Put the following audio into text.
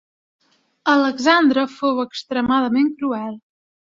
Alexandre fou extremadament cruel.